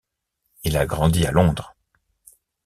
Il a grandi à Londres.